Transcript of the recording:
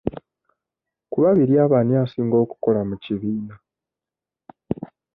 Ku babiri abo ani asinga okukola mu kibiina?